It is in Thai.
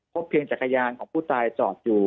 เพียงจักรยานของผู้ตายจอดอยู่